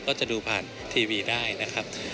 ก็จะดูผ่านทีวีได้นะครับ